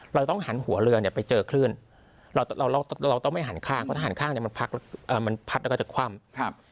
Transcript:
เราต้องหันหัวเรือเนี่ยไปเจอคลื่นเราเราต้องไม่หันข้างเพราะถ้าหันข้างเนี่ยมันพัดแล้วก็จะคว่ำครับ